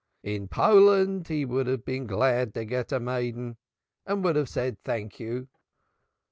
In Poland he would have been glad to get a maiden, and would have said thank you."